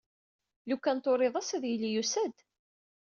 Lukan turid-as ad yili yusa-d.